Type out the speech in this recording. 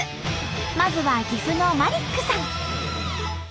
まずは岐阜のマリックさん！